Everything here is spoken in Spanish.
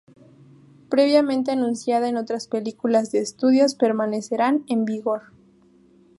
Previamente anunciada en otras películas de estudios permanecerán en vigor.